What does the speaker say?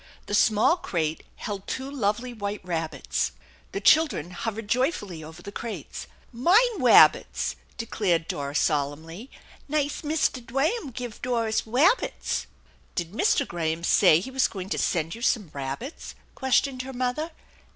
The small crate held two lovely white rabbits. The children hovered joyfully over the crates. " Mine wabbits !" declared Doris solemnly. " Nice Mistah Dwaham give Doris wabbits." "Did Mr. Graham say he was going to send you some rabbits ?" questioned her mother.